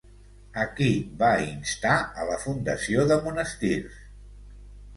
A qui va instar a la fundació de monestirs?